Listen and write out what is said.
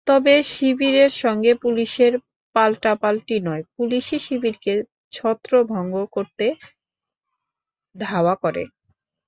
তবে শিবিরের সঙ্গে পুলিশের পাল্টাপাল্টি নয়, পুলিশই শিবিরকে ছত্রভঙ্গ করতে ধাওয়া করে।